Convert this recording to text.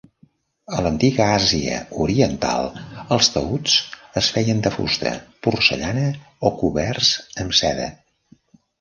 A l'antiga Àsia Oriental, els taüts es feien de fusta, porcellana o coberts amb seda.